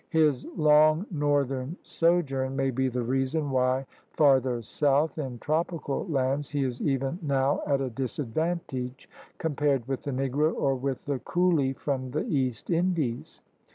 His long northern sojourn may be the reason why farther south in tropical lands he is even now at a disadvantage compared with the Negro or with the coolie from the East Indies.